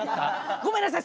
ごめんなさい！